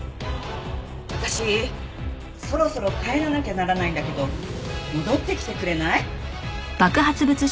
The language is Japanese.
私そろそろ帰らなきゃならないんだけど戻ってきてくれない？